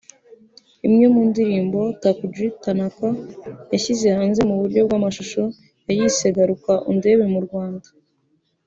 Imwe mu ndirimbo Takuji Tanaka yashyize hanze mu buryo bw’amashusho yayise ‘Garuka undebe mu Rwanda’